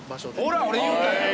ほら俺言うたやん。